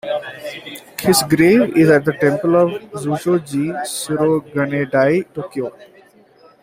His grave is at the temple of Zuisho-ji, in Shirogane-dai, Tokyo.